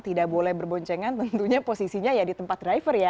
tidak boleh berboncengan tentunya posisinya ya di tempat driver ya